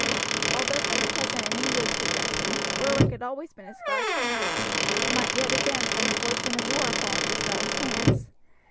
Although for the present in English possession, Berwick had always been a Scotch town, and might yet again from the fortune of war fall into Scottish hands.